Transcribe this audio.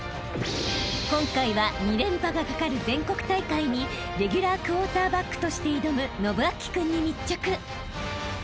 ［今回は２連覇がかかる全国大会にレギュラークォーターバックとして挑む伸光君に密着］